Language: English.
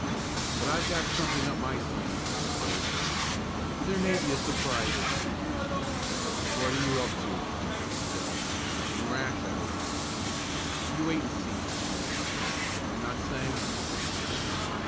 "But I've got something up my sleeve," declared Tom. "There may be a surprise at the meeting." "What are you up to?" asked Joe. "Nothing rash, I hope." "You wait and see," his chum advised. "I'm not saying anything."